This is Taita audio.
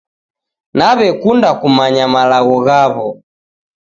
Nawekunda kumanya malagho ghaw'o